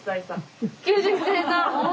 ９１歳差！